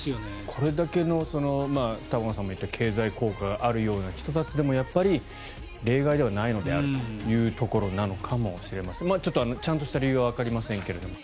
これだけの玉川さんも言った経済効果があるような人たちでもやっぱり例外ではないのであるというところなのかもしれませんちょっと、ちゃんとした理由はわかりませんけども。